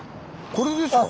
これですか？